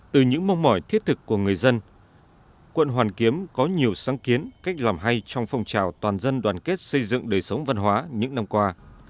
từ những mong mỏi thiết thực của người dân quận hoàn kiếm có nhiều sáng kiến cách làm hay trong phong trào toàn dân đoàn kết xây dựng đời sống văn hóa những năm qua